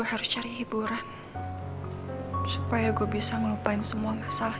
mama sudah tidak punya siapa siapa lagi